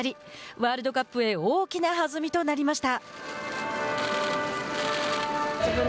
ワールドカップへ大きな弾みとなりました。